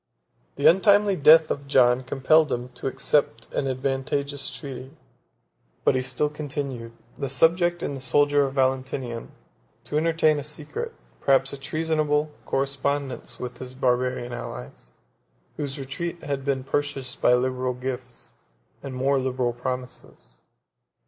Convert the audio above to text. The untimely death of John compelled him to accept an advantageous treaty; but he still continued, the subject and the soldier of Valentinian, to entertain a secret, perhaps a treasonable, correspondence with his Barbarian allies, whose retreat had been purchased by liberal gifts, and more liberal promises.